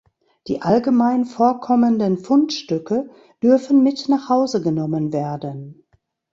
Die allgemein vorkommenden Fundstücke dürfen mit nach Hause genommen werden.